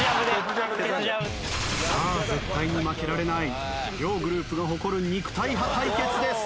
さあ絶対に負けられない両グループが誇る肉体派対決です。